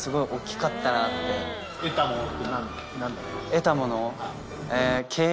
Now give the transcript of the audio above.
得たもの？